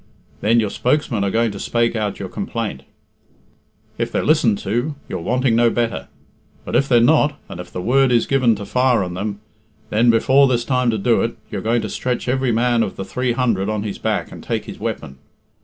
Then your spokesmen are going to spake out your complaint. If they're listened to, you're wanting no better. But if they're not, and if the word is given to fire on them, then, before there's time to do it, you're going to stretch every man of the three hundred on his back and take his weapon.